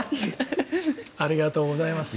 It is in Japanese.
ありがとうございます。